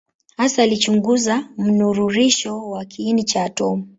Hasa alichunguza mnururisho wa kiini cha atomu.